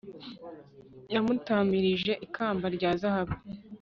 yamutamirije ikamba rya zahabu